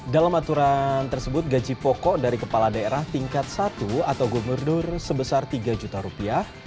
dalam aturan tersebut gaji pokok dari kepala daerah tingkat satu atau gubernur sebesar tiga juta rupiah